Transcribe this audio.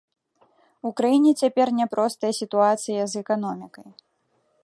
У краіне цяпер няпростая сітуацыя з эканомікай.